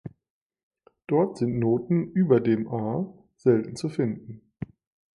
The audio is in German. Dort sind Noten über dem a' selten zu finden.